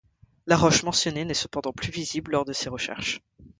La roche mentionnée n'est cependant plus visible lors de ces recherches.